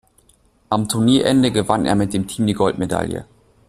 Am Turnierende gewann er mit dem Team die Goldmedaille.